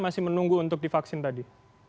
masih menunggu untuk divaksin tadi